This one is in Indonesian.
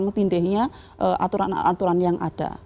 jadi tumpang tindihnya aturan aturan yang ada